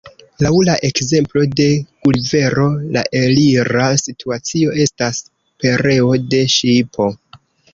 Laŭ la ekzemplo de Gulivero la elira situacio estas pereo de ŝipo.